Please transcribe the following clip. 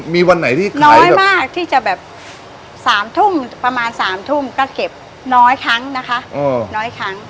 มีวันไหนที่น้อยมากที่จะแบบ๓ทุ่มประมาณ๓ทุ่มก็เก็บน้อยครั้งนะคะน้อยครั้ง